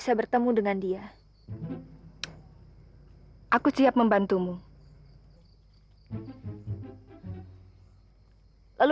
dan keduanya terbunuh semalam